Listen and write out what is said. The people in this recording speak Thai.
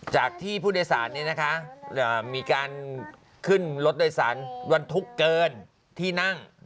จากที่ผู้โดยสารมีการขึ้นรถโดยสารบรรทุกเกินที่นั่ง